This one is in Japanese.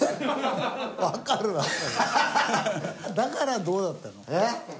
だからどうだっての？